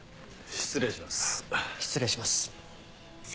失礼します。